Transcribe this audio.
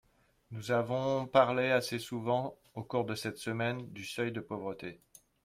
Nous avons parlé assez souvent, au cours de cette semaine, du seuil de pauvreté.